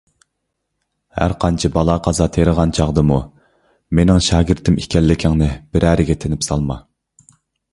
ھەرقانچە بالا - قازا تېرىغان چاغدىمۇ، مېنىڭ شاگىرتىم ئىكەنلىكىڭنى بىرەرىگە تىنىپ سالما.